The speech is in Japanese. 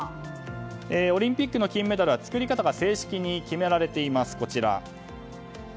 オリンピックの金メダルは作り方が正式に決められています。